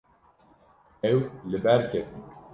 Ew li ber ketin.